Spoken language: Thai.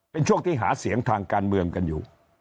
เป็นช่วงที่หาเสียงทางการเมืองกันอยู่